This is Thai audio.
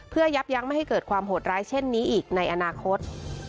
เพื่อยับยั้งไม่ให้เกิดความโหดร้ายเช่นนี้อีกในอนาคต